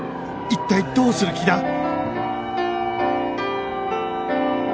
一体どうする気だ？